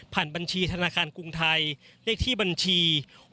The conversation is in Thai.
ผ่านบัญชีธนาคารกรุงไทยเรียกที่บัญชี๖๗๘๙๙๗๙๕๑๔